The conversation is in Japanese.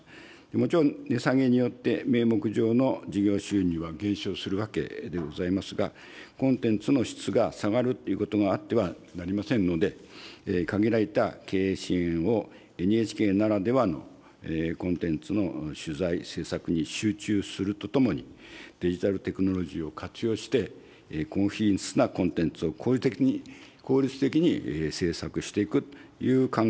もちろん、値下げによって、名目上の事業収入は減少するわけでございますが、コンテンツの質が下がるということがあってはなりませんので、限られた経営資源を、ＮＨＫならではのコンテンツの取材、制作に集中するとともに、デジタルテクノロジーを活用して、高品質なコンテンツを効率的に制作していくという考えでおります。